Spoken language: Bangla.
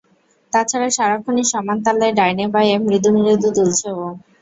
তাছাড়া সারাক্ষণই সমান তালে ডাইনে-বায়ে মৃদু মৃদু দুলছে ও।